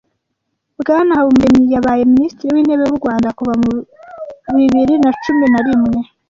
Bwana Habumuremyi yabaye Minisitiri w'intebe w'u Rwanda kuva mu bibiri na cumi na rimwe